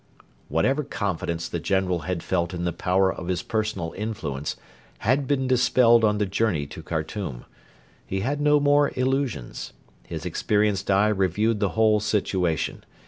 Whatever confidence the General had felt in the power of his personal influence had been dispelled on the journey to Khartoum. He had no more illusions. His experienced eye reviewed the whole situation.